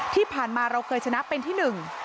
ที่ผ่านมาเราเคยชนะเป็นที่หนึ่ง